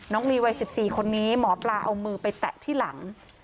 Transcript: ลีวัย๑๔คนนี้หมอปลาเอามือไปแตะที่หลัง